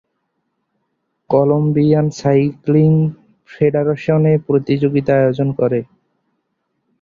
Colombian cycling federation এ প্রতিযোগিতা আয়োজন করে।